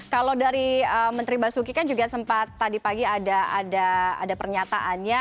kalau dari menteri basuki kan juga sempat tadi pagi ada pernyataannya